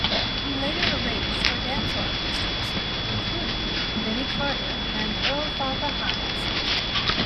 He later arranged for dance orchestras, including Benny Carter and Earl "Fatha" Hines.